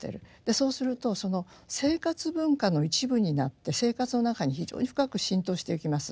そうするとその生活文化の一部になって生活の中に非常に深く浸透していきます。